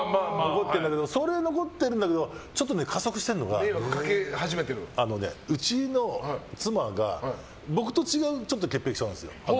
それは残ってるんだけどちょっと加速してるのがうちの妻が僕と違う潔癖症なんですよ。